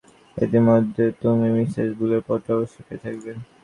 ইতোমধ্যে তুমি মিসেস বুলের পত্র অবশ্য পেয়ে থাকবে।